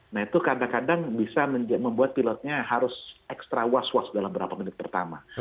nah itu kadang kadang bisa membuat pilotnya harus ekstra was was dalam beberapa menit pertama